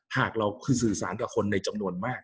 หากเราคือสื่อสารกับคนในจำนวนมาก